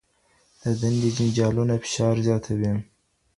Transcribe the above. دندې جنجالونه فشار زیاتوي.